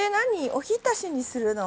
おひたしにするの？